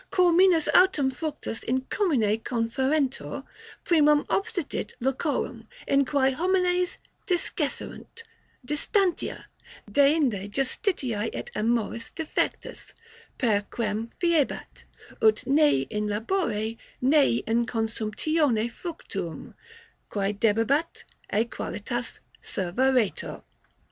Quo minus autem fructus in commune conferrentur, primum obstitit locorum, in quae homines discesserunt, distantia, deinde justitiae et amoris defectus, per quem fiebat, ut nee in labore, nee in consumtione fructuum, quae debebat, aequalitas servaretur.